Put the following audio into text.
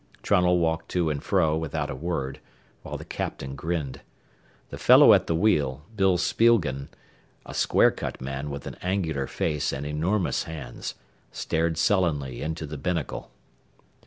Trunnell walked to and fro without a word, while the captain grinned. The fellow at the wheel, Bill Spielgen, a square cut man with an angular face and enormous hands, stared sullenly into the binnacle.